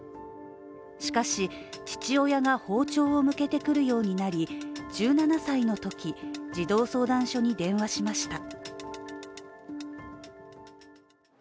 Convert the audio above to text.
しかし、父親が包丁を向けてくるようになり、１７歳のとき、児童相談所に電話しました。